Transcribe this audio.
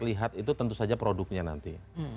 lihat itu tentu saja produknya nanti